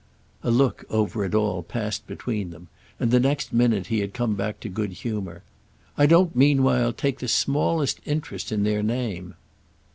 A look, over it all, passed between them, and the next minute he had come back to good humour. "I don't meanwhile take the smallest interest in their name."